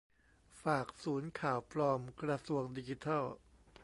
ฝากศูนย์ข่าวปลอมกระทรวงดิจิทัล